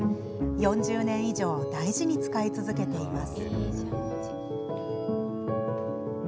４０年以上大事に使い続けています。